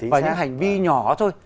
và những hành vi nhỏ thôi